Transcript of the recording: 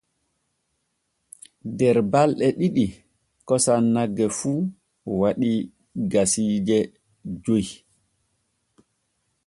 Der balɗe ɗiɗi kosam nagge fu waɗii kasiije joy.